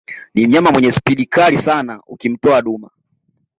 Ni mnyama mwenye speed kali sana ukimtoa duma